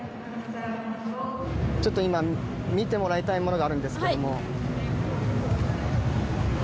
今、見てもらいたいものがあるんですけど。